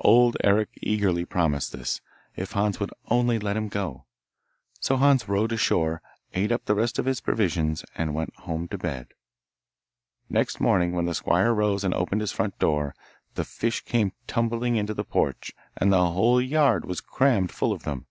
Old Eric eagerly promised this, if Hans would only let him go; so Hans rowed ashore, ate up the rest of his provisions, and went home to bed. Next morning, when the squire rose and opened his front door, the fish came tumbling into the porch, and the whole yard was crammed full of them.